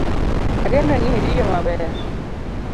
Ageno ni iriyo maber